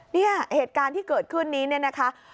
เนี่ยเหตุการณ์ที่เกิดขึ้นนี้เนี่ยนะคะ